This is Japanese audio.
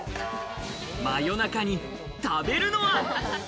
真夜中に食べるのは？